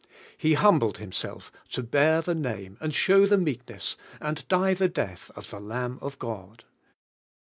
He humbled Himself to bear the name and show the meekness, and die the death of the Lamb of God.